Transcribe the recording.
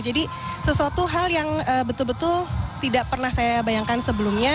jadi sesuatu hal yang betul betul tidak pernah saya bayangkan sebelumnya